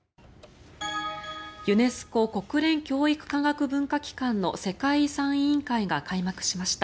ユネスコ・国連教育科学文化機関の世界遺産委員会が開幕しました。